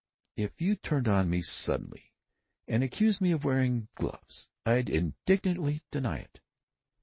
If you turned on me suddenly and accused me of wearing gloves I'd indignantly deny it."